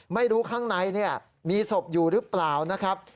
ไม่รู้ข้างในมีศพอยู่หรือเปล่านะครับ